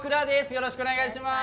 よろしくお願いします。